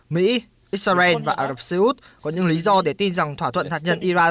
mỹ israel và ả rập xê út có những lý do để tin rằng thỏa thuận hạt nhân iran